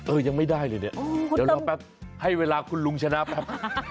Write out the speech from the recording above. ยังไม่ได้เลยเนี่ยเดี๋ยวรอแป๊บให้เวลาคุณลุงชนะแป๊บ